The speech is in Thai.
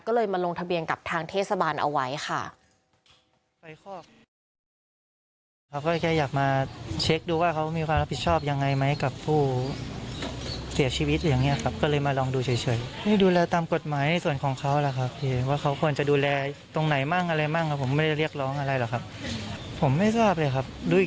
ก็เลยมาลงทะเบียนกับทางเทศบาลเอาไว้ค่ะ